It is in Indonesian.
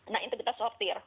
nah itu kita sortir